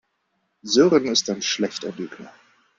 Sören ist ein schlechter Lügner.